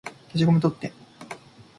消しゴム取って